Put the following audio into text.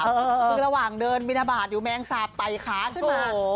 คือระหว่างเดินบินทบาทอยู่แมงสาบไต่ขาขึ้นมา